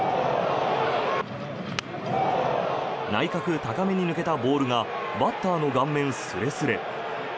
内角高めに抜けたボールがバッターの顔面すれすれ。